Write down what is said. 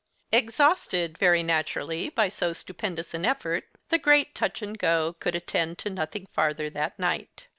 Exhausted, very naturally, by so stupendous an effort, the great Touch and go could attend to nothing farther that night.